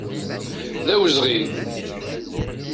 D awezɣi!